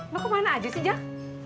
mak kemana aja sih jack